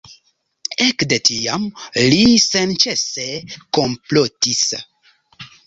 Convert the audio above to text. Ekde tiam li senĉese komplotis.